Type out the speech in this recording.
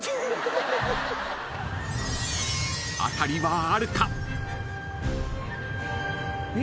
［当たりはあるか？］